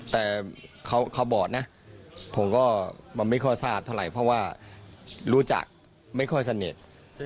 แต่เขาบอกนะผมก็ไม่ค่อยทราบเท่าไหร่เพราะว่ารู้จักไม่ค่อยสนิท